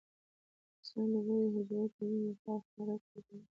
انسان د ودې او حجرو ترمیم لپاره خواړه کاروي.